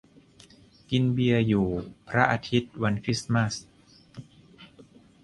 กินเบียร์อยู่พระอาทิตย์ วันคริสต์มาส